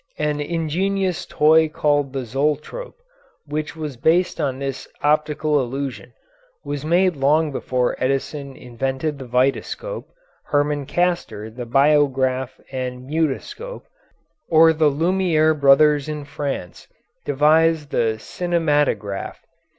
An ingenious toy called the zoltrope, which was based on this optical illusion, was made long before Edison invented the vitascope, Herman Caster the biograph and mutoscope, or the Lumiere brothers in France devised the cinematograph.